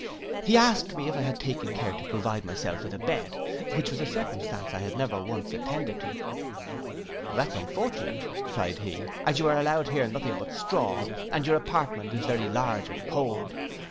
He asked me if I had taken care to provide myself with a bed, which was a circumstance I had never once attended to. 'That's unfortunate,' cried he, 'as you are allowed here nothing but straw, and your apartment is very large and cold.